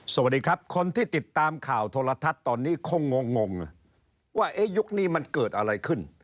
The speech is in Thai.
สวัสดีครับคนที่ติดตามข่าวโทรทัศน์ตอนนี้คงงงว่ายุคนี้มันเกิดอะไรขึ้น